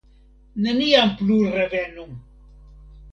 Neniam plu revenu!